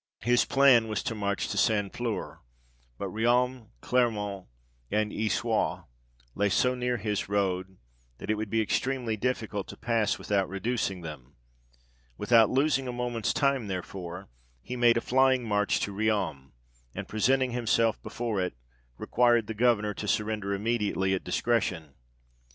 His plan was to march to St. Flour, but Riom, Clermont, and Issoirre, lay so near his road, that it would be extremely difficult to pass, with out reducing them ; without losing a moment's time, therefore, he made a flying march to Riom, and present ing himself before it, required the governour to sur render immediately at discretion.